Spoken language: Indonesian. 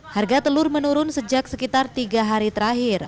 harga telur menurun sejak sekitar tiga hari terakhir